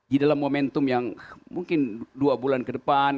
di dalam momentum yang mungkin dua bulan ke depan